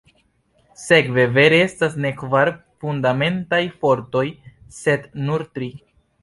Sekve, vere estas ne kvar fundamentaj fortoj sed nur tri.